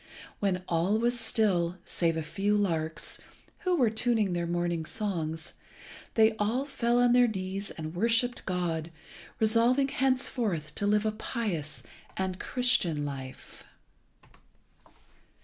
When all was still, save a few larks, who were tuning their morning songs, they all fell on their knees and worshipped God, resolving henceforth to live a pious and a Christian life.